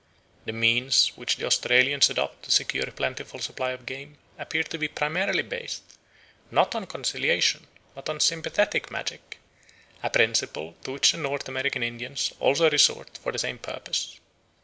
The means which the Australians adopt to secure a plentiful supply of game appear to be primarily based, not on conciliation, but on sympathetic magic, a principle to which the North American Indians also resort for the same purpose.